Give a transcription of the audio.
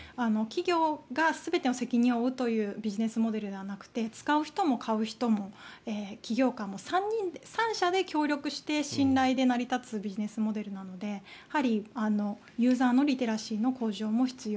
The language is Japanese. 企業が全ての責任を負うというビジネスモデルではなくて使う人も買う人も企業間も３者で協力して信頼で成り立つビジネスモデルなのでユーザーのリテラシーの向上も必要。